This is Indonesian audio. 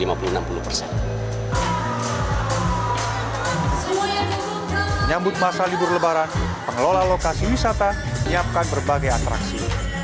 menyambut masa libur lebaran pengelola lokasi wisata menyiapkan berbagai atraksi